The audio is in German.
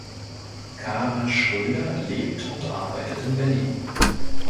Kara Schröder lebt und arbeitet in Berlin.